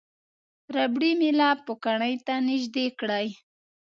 ربړي میله پوکڼۍ ته نژدې کړئ.